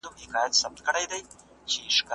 تسلیمیدل د کمزورو کار دی.